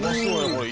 これ。